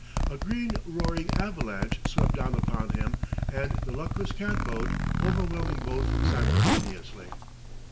A green roaring avalanche swept down upon him and the luckless cat boat, overwhelming both simultaneously.